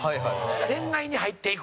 恋愛に入っていく。